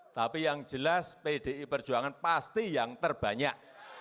tapi yang jelas pdi perjuangan pasti yang terbanyak